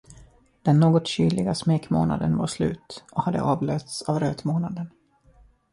Den något kyliga smekmånaden var slut och hade avlösts av rötmånaden.